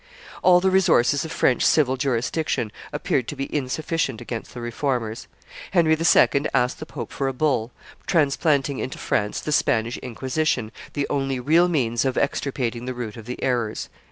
All the resources of French civil jurisdiction appeared to be insufficient against the Reformers. Henry II. asked the pope for a bull, transplanting into France the Spanish Inquisition, the only real means of extirpating the root of the errors."